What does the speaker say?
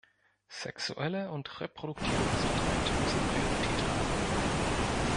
Sexuelle und reproduktive Gesundheit müssen Priorität haben.